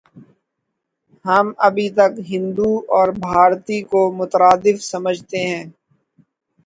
ہم ابھی تک 'ہندو‘ اور 'بھارتی‘ کو مترادف سمجھتے ہیں۔